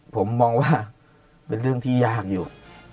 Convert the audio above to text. ผมมองว่าเป็นเรื่องที่ยากอยู่